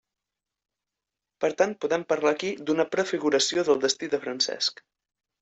Per tant podem parlar aquí d'una prefiguració del destí de Francesc.